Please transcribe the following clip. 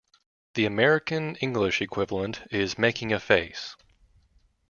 The American English equivalent is "making a face".